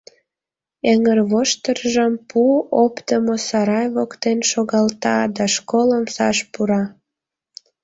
Эҥырвоштыржым пу оптымо сарай воктен шогалта да школ омсаш пура.